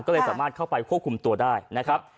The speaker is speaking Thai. ก็เลยสามารถเข้าไปควบคุมตัวได้นะครับ